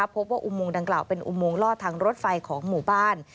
อุโมงดังกล่าวเป็นอุโมงลอดทางรถไฟของหมู่บ้าน